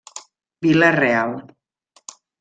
Vila Real.